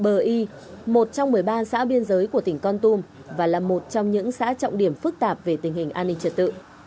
bờ y một trong một mươi ba xã biên giới của tỉnh con tum và là một trong những xã trọng điểm phức tạp về tình hình an ninh trật tự